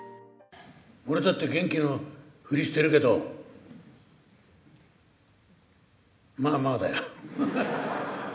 俺だって元気の振りしているけど、まあまあだよ。